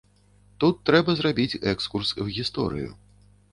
Тут трэба зрабіць экскурс у гісторыю.